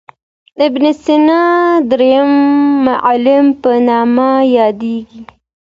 ابن سینا درېم معلم په نامه یادیږي.